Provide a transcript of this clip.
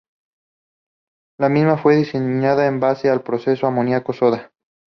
La misma fue diseñada en base al proceso Amoníaco-Soda.